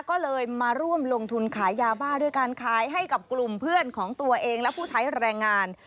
ก็เลยมาร่วมลงทุนขายยาบ้าด้วยการขายให้กับกลุ่มเพื่อนของตัวเองและผู้ใช้แรงงาน